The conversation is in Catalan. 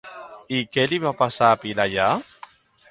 I què li va passar a Pilaiyar?